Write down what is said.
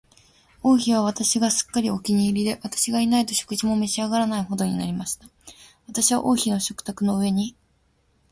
王妃は私がすっかりお気に入りで、私がいないと食事も召し上らないほどになりました。私は王妃の食卓の上に、